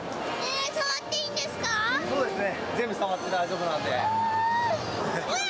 ・そうですね